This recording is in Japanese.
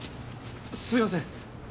すいません。